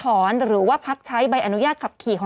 ผู้ต้องหาที่ขับขี่รถจากอายานยนต์บิ๊กไบท์